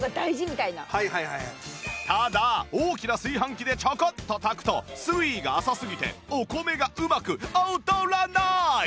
ただ大きな炊飯器でちょこっと炊くと水位が浅すぎてお米がうまく踊らなーい！